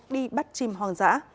đi bắt chim hoang dã